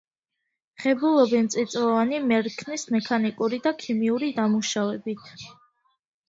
ღებულობენ წიწვოვანი მერქნის მექანიკური და ქიმიური დამუშავებით.